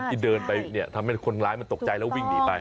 ที่เดินไปทำให้คนร้ายตกใจแล้ววิ่งหนีไป